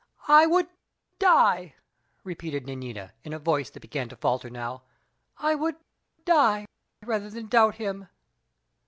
"I would die," repeated Nanina, in a voice that began to falter now. "I would die rather than doubt him."